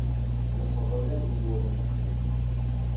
Leqḍen azemmur-nsen.